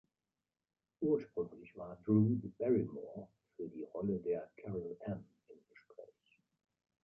Ursprünglich war Drew Barrymore für die Rolle der "Carol Anne" im Gespräch.